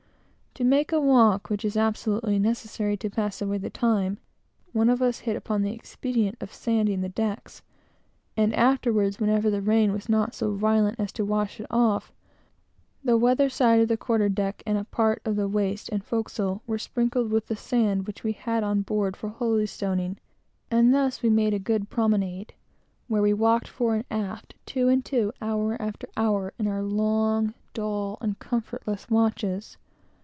To make a walk, which is absolutely necessary to pass away the time, one of us hit upon the expedient of sanding the deck; and afterwards, whenever the rain was not so violent as to wash it off, the weatherside of the quarter deck and a part of the waist and forecastle were sprinkled with the sand which we had on board for holystoning; and thus we made a good promenade, where we walked fore and aft, two and two, hour after hour, in our long, dull, and comfortless watches.